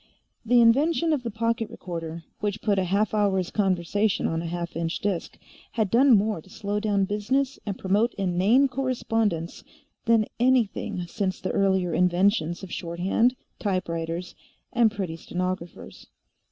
The invention of the pocket recorder, which put a half hour's conversation on a half inch disk, had done more to slow down business and promote inane correspondence than anything since the earlier inventions of shorthand, typewriters and pretty stenographers.